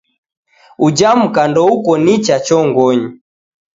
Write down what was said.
Uja muka ndouko nicha chongonyi.